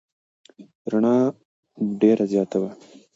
رڼا ډېره زیاته وه.